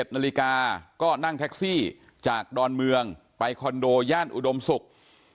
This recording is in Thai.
๑นาฬิกาก็นั่งแท็กซี่จากดอนเมืองไปคอนโดย่านอุดมศุกร์